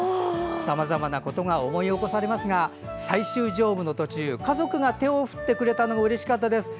さまざまなことが思い起こされますが最終乗務の途中家族が手を振ってくれたのがうれしかったです。